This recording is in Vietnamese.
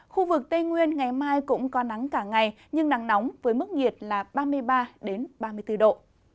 khu vực tây nguyên ngày mai cũng có nắng cả ngày nhưng nắng nóng với mức nhiệt là ba mươi ba ba mươi bốn độ